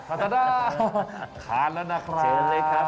ฮัตตาด้าขาดแล้วนะครับ